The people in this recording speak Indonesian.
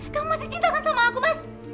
kamu masih cintakan sama aku mas